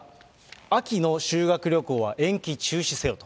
秋の修学旅行は延期・中止せよと。